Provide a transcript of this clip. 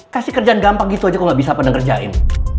kasih kerjaan gampang gitu aja kok gak bisa pengerjain